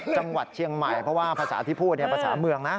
จังหวัดเชียงใหม่เพราะว่าภาษาที่พูดภาษาเมืองนะ